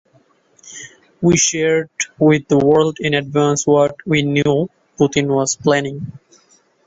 We shared with the world in advance what we knew Putin was planning